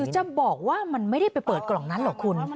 จะบอกว่ามันไม่ได้ไปเปิดกล่องนั้นหรอกคุณ